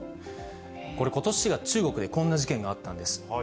これ、ことし４月、中国でこんな事件があったんです。